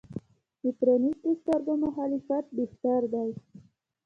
د پرانیستو سترګو مخالفت بهتر دی.